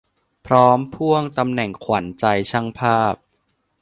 พร้อมพ่วงตำแหน่งขวัญใจช่างภาพ